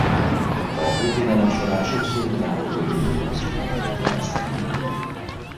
A történelem során sokszor önálló törvényhozó testületeket neveztek így.